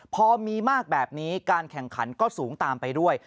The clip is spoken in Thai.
พอมีมากแบบนี้การแข่งขันก็สูงตามไปด้วย